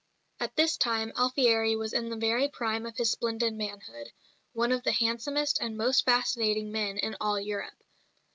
At this time Alfieri was in the very prime of his splendid manhood, one of the handsomest and most fascinating men in all Europe.